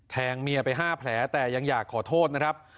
เมียไป๕แผลแต่ยังอยากขอโทษนะครับ